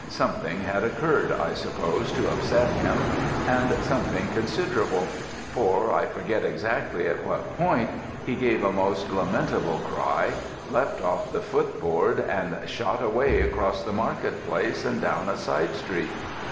Something had occurred, I suppose, to upset him, and something considerable: for, I forget exactly at what point, he gave a most lamentable cry, leapt off the foot board, and shot away across the market place and down a side street.